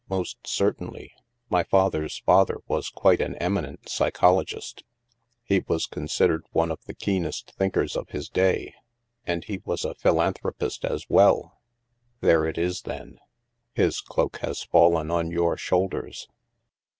Most certainly. My father's father was quite an eminent psychologist. He was con it HAVEN 291 sidered one of the keenest thinkers of his day. And he was a philanthropist as well." " There it is, then. His cloak has fallen on your shoulders."